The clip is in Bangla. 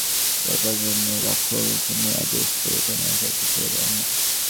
অন্যদিন যথাসময়ে আশাকে খাইতে যাইবার জন্য রাজলক্ষ্মী আদেশ করিতেন–আজ আর কিছু বলিলেন না।